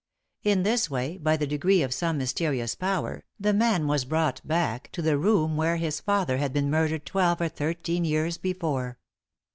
In this way, by the degree of some mysterious Power, the man was brought back to the room where his father had been murdered twelve or thirteen years before.